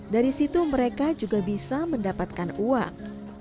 dari situ mereka juga bisa mendapatkan uang